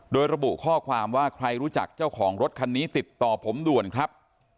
โดยระบุข้อความว่าใครรู้จักเจ้าของรถคันนี้ติดต่อผมด่วนครับ